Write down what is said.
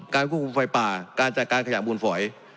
การควบคุมไฟป่าการจัดการขยะบุญฝ่อย